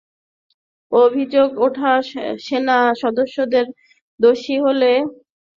অভিযোগ ওঠা সেনা সদস্যদের দোষী হলে তাঁদের কঠোর শাস্তি দেওয়া হবে।